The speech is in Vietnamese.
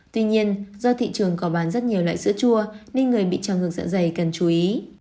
tuy nhiên do thị trường có bán rất nhiều loại sữa chua nên người bị trào ngược dạ dày cần chú ý